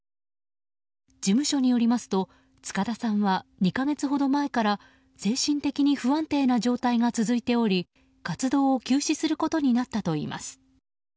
事務所によりますと塚田さんは２か月ほど前から精神的に不安定な状態が続いており活動を休止することになったといいます。